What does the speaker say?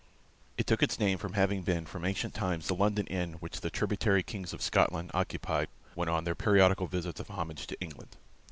It took its name from having been from ancient times the London inn which the tributary Kings of Scotland occupied when on their periodical visits of homage to England.